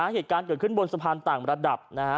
เหตุการณ์เกิดขึ้นบนสะพานต่างระดับนะฮะ